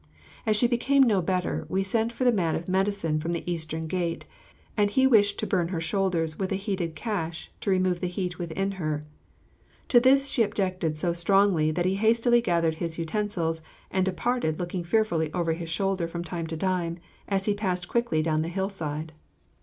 As she became no better, we sent for the man of medicine from the Eastern Gate, and he wished to burn her shoulders with a heated cash to remove the heat within her. To this she objected so strongly that he hastily gathered his utensils and departed looking fearfully over his shoulder from time to time as he passed quickly down the hillside.